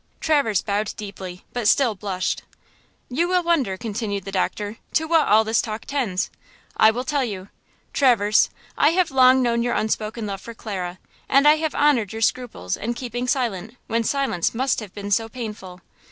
Traverse bowed deeply, but still blushed. "You will wonder," continued the doctor, "to what all this talk tends. I will tell you. Traverse, I have long known your unspoken love for Clara, and I have honored your scruples in keeping silent, when silence must have been so painful.